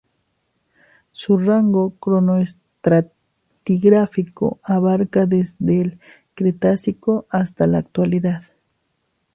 Su rango cronoestratigráfico abarca desde el Cretácico hasta la actualidad.